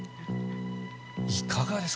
いかがですか？